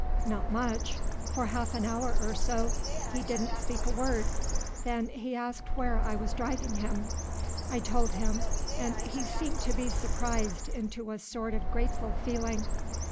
"Not much. For half an hour or so he did n't speak a word. Then he asked where I was driving him. I told him, and he seemed to be surprised into a sort of grateful feeling.